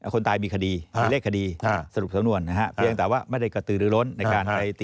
คนตายมีคดีมีเลขคดี